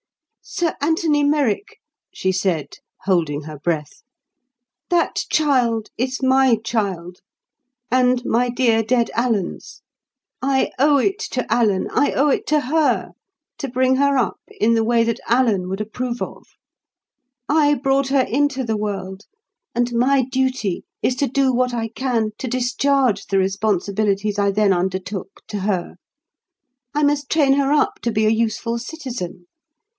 "Sir Anthony Merrick," she said holding her breath, "that child is my child, and my dear dead Alan's. I owe it to Alan—I owe it to her—to bring her up in the way that Alan would approve of. I brought her into the world; and my duty is to do what I can to discharge the responsibilities I then undertook to her. I must train her up to be a useful citizen.